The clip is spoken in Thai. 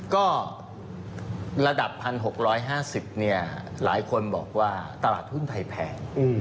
ก็ระดับ๑๖๕๐เนี่ยหลายคนบอกว่าตลาดหุ้นไทยแพง